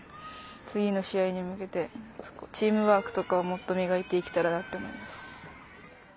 次の試合に向けてチームワークとかをもっと磨いて行けたらなって思います。